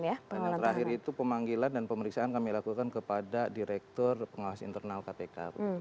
dan yang terakhir itu pemanggilan dan pemeriksaan kami lakukan kepada direktur pengawas internal kpk